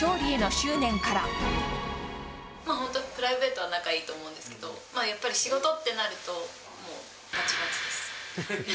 本当、プライベートは仲いいと思うんですけど、やっぱり仕事ってなると、もうばちばちです。